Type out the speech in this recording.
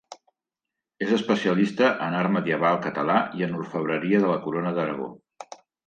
És especialista en art medieval català i en orfebreria de la Corona d'Aragó.